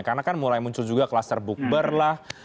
karena kan mulai muncul juga kluster bukber lah